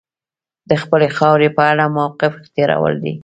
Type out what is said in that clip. د خپلې خاورې په اړه موقف اختیارول دي.